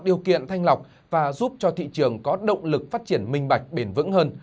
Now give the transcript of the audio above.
điều kiện thanh lọc và giúp cho thị trường có động lực phát triển minh bạch bền vững hơn